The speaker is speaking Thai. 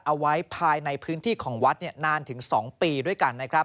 เอาไว้ภายในพื้นที่ของวัดนานถึง๒ปีด้วยกันนะครับ